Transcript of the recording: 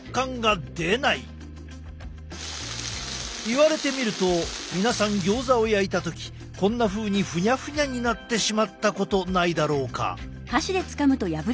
言われてみると皆さんギョーザを焼いた時こんなふうにフニャフニャになってしまったことないだろうか。